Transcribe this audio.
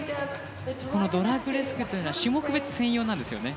このドラグレスクは種目別専用なんですね。